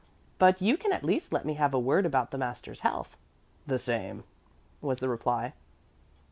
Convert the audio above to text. But you can at least let me have a word about the master's health." "The same," was the reply.